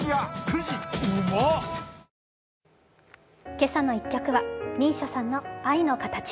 「けさの１曲」はＭＩＳＩＡさんの「アイノカタチ」。